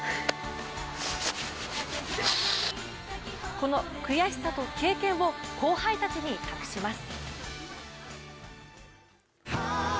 この悔しさと経験を後輩たちに託します。